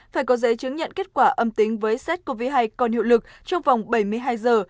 phải có giấy chứng nhận kết quả âm tính với sars cov hai còn hiệu lực trong vòng bảy mươi hai giờ